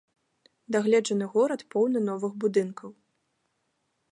Дагледжаны горад поўны новых будынкаў.